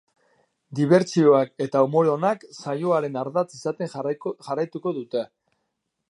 Dibertsioak eta umore onak saioaren ardatz izaten jarraituko dute.